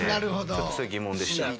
ちょっとそれ疑問でした。